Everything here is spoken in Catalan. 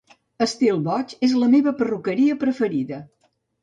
Estil Boig és la meva perruqueria preferida